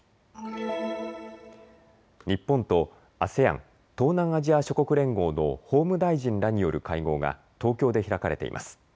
日本とＡＳＥＡＮ・東南アジア諸国連合の法務大臣らによる会合が東京で開かれています。